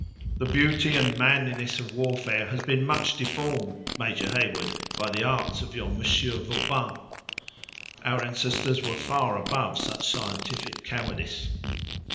The beauty and manliness of warfare has been much deformed, Major Heyward, by the arts of your Monsieur Vauban. Our ancestors were far above such scientific cowardice!"